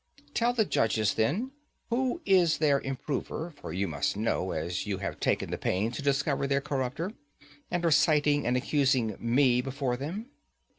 Tell the judges, then, who is their improver; for you must know, as you have taken the pains to discover their corrupter, and are citing and accusing me before them.